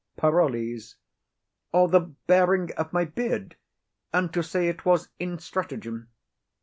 PAROLLES. Or the baring of my beard, and to say it was in stratagem.